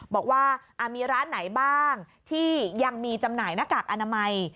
บอกว่ามีร้านไหนบ้างที่ยังมีจำหน่ายหน้ากากอนามัย